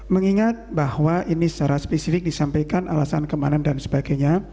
mengingat bahwa ini secara spesifik disampaikan alasan keamanan dan sebagainya